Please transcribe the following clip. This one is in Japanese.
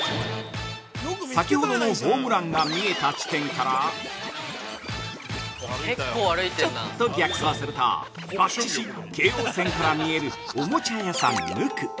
◆先ほどのホームランが見えた地点から、ちょっと逆走するとばっちし京王線から見えるおもちゃ屋さん「ＭＵＫＵ」。